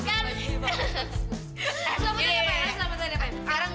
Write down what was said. biar lebih cantik